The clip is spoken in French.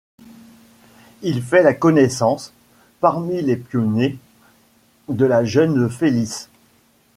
Il fait la connaissance, parmi les pionniers, de la jeune Felice.